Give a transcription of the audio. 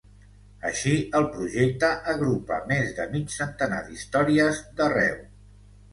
Així, el projecte agrupa més de mig centenar d’històries d’arreu.